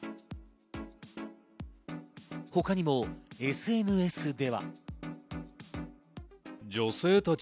他にもＳＮＳでは。